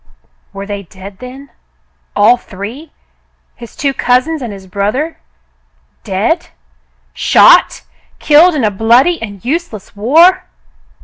Were they dead then — all three — his two cousins and his brother — dead ^ Shot ! Killed in a bloody and useless war